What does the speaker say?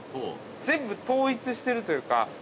全部統一してるというか。